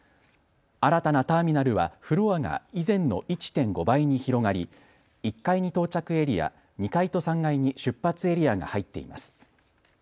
新たなターミナルはフロアが以前の１．５倍に広がり１階に到着エリア、２階と３階に出発エリアが入っています。